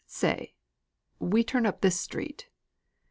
Stay, we turn up this street."